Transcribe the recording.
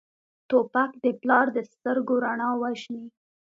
توپک د پلار د سترګو رڼا وژني.